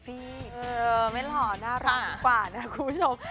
เออไม่หล่อน่ารักกว่านะครับคุณผู้ชม